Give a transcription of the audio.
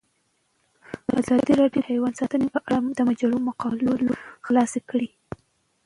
ازادي راډیو د حیوان ساتنه په اړه د مجلو مقالو خلاصه کړې.